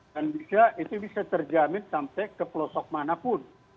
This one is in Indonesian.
dan bisa itu bisa terjamin sampai ke pelosok manapun